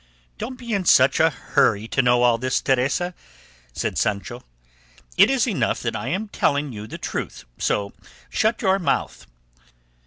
"Don't be in such a hurry to know all this, Teresa," said Sancho; "it is enough that I am telling you the truth, so shut your mouth.